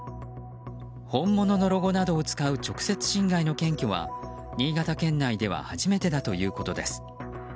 本物のロゴなどを使う直接侵害の検挙は新潟県内では初めてだということです。